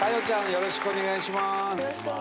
よろしくお願いします。